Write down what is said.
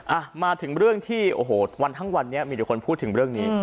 อ่ะมาถึงเรื่องที่โอ้โหวันทั้งวันนี้มีแต่คนพูดถึงเรื่องนี้